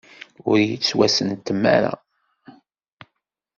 Ur yettwasentem ara.